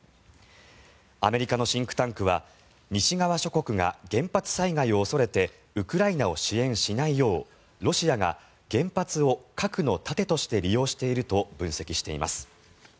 アメリカのシンクタンクは西側諸国が原発災害を恐れてウクライナを支援しないようロシアが原発を核の盾として利用していると分析しています。